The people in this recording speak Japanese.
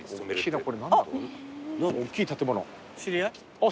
あっ。